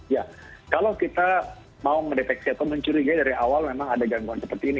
ya kalau kita mau mendeteksi atau mencurigai dari awal memang ada gangguan seperti ini